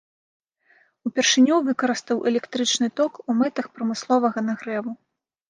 Упершыню выкарыстаў электрычны ток у мэтах прамысловага нагрэву.